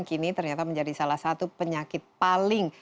kini ternyata menjadi salah satu penyakit paling